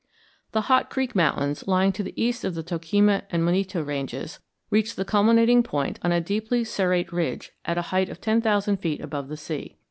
The Hot Creek Mountains, lying to the east of the Toquima and Monito ranges, reach the culminating point on a deeply serrate ridge at a height of ten thousand feet above the sea.